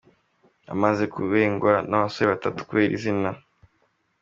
Amaze kubengwa n’abasore batatu kubera izina.